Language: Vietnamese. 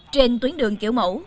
trên tuyến đường kiểu mẫu